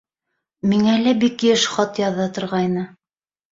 Миңә лә бик йыш хат яҙа торғайны.